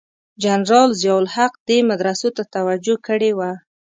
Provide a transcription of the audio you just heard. جنرال ضیأ الحق دې مدرسو ته توجه کړې وه.